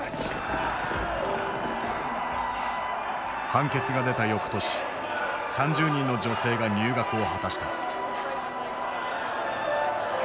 判決が出たよくとし３０人の女性が入学を果たした。